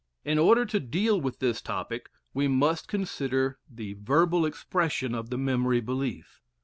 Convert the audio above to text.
In order to deal with this topic we must consider the verbal expression of the memory belief.